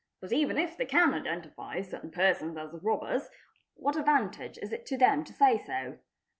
But even if they can identify certain persons as the robbers, what advantage is it to them to say so?